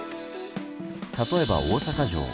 例えば大阪城。